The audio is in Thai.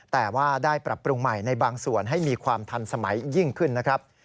แต่ว่าได้ปรับปรุงใหม่ในบางส่วนให้มีความทันสมัยยิ่งขึ้นนะครับ